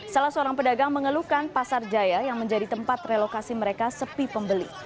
salah seorang pedagang mengeluhkan pasar jaya yang menjadi tempat relokasi mereka sepi pembeli